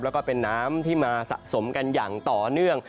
แล้วก็เป็นน้ำที่มาสะสมกันอย่างต่อเนื่อง